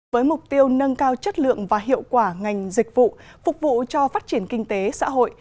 với mục tiêu nâng cao chất lượng và hiệu quả ngành dịch vụ phục vụ cho phát triển kinh tế xã hội